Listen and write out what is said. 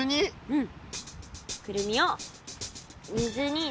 うん。